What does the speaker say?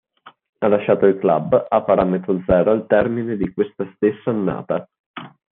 Ha lasciato il club a parametro zero al termine di questa stessa annata.